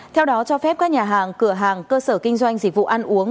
theo đó cho phép các nhà hàng cửa hàng cơ sở kinh doanh dịch vụ ăn uống